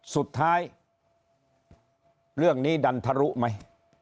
สุดท้ายเรื่องนี้ดันทะลุไหม